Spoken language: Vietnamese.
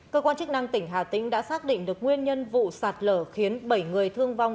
cơ quan chức năng tỉnh hà tĩnh đã xác định được nguyên nhân vụ sạt lở khiến bảy người thương vong